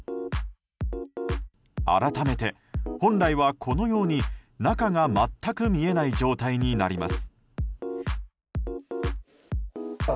改めて、本来はこのように中が全く見えない状態になります。